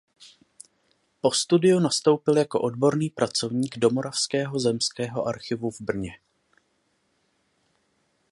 Po studiu nastoupil jako odborný pracovník do Moravského zemského archivu v Brně.